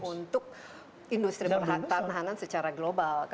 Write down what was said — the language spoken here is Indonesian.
untuk industri pertahanan secara global